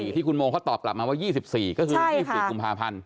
ที่คุณโมเขาตอบกลับมาว่า๒๔ก็คือ๒๔กุมภาพันธ์